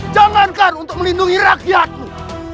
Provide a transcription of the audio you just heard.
jangankan untuk melindungi rakyatmu